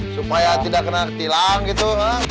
supaya tidak kena tilang gitu